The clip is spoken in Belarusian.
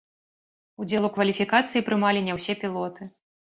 Удзел у кваліфікацыі прымалі не ўсе пілоты.